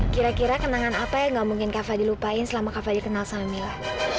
kira kira kenangan apa yang gak mungkin kak fadil lupain selama kak fadil kenal sama mila